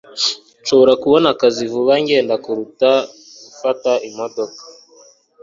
Nshobora kubona akazi vuba ngenda kuruta gufata imodoka